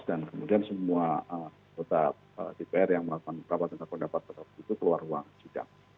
dan kemudian semua anggota dpr yang melakukan kapal pendapat keluar ruang sidang